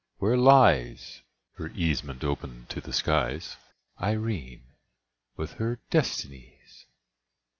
where lies (Her casement open to the skies) Irene, with her Destinies!